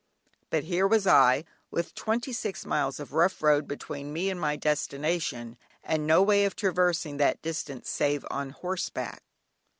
But here was I, with twenty six miles of rough road between me and my destination, and no way of traversing that distance save on horseback.